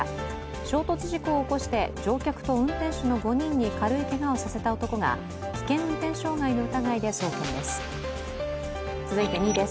衝突事故を起こして、乗客と運転手の５人に軽いけがをさせた男が危険運転傷害の疑いで送検です。